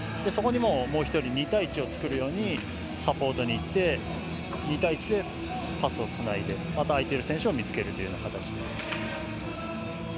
そこにもう１人２対１を作るようにサポートに行って２対１でパスをつないでまた、空いている選手を見つける形。